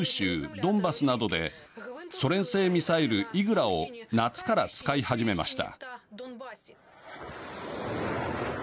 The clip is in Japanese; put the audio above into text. ドンバスなどでソ連製ミサイル、イグラを夏から使い始めました。